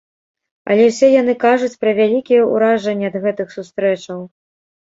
Але ўсе яны кажуць пра вялікія ўражанні ад гэтых сустрэчаў.